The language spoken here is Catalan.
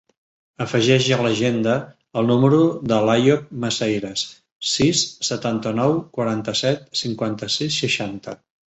Afegeix a l'agenda el número de l'Àyoub Maceiras: sis, setanta-nou, quaranta-set, cinquanta-sis, seixanta.